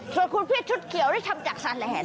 ส่วนขึ้นชุดเขียวนี่ทำจากสันแรน